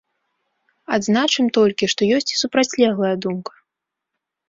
Адзначым толькі, што ёсць і супрацьлеглая думка.